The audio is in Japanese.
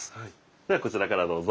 じゃあこちらからどうぞ。